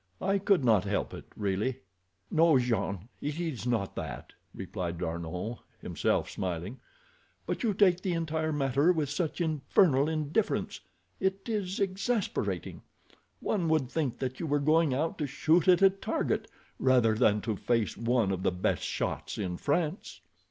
I could not help it, really." "No, Jean; it is not that," replied D'Arnot, himself smiling. "But you take the entire matter with such infernal indifference—it is exasperating. One would think that you were going out to shoot at a target, rather than to face one of the best shots in France."